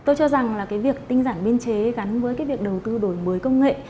tôi cho rằng là việc tinh giản biên chế gắn với việc đầu tư đổi mới công nghệ